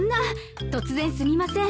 突然すみません